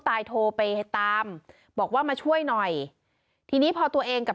ตายโทรไปตามบอกว่ามาช่วยหน่อยทีนี้พอตัวเองกับ